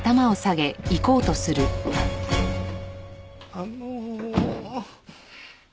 あの。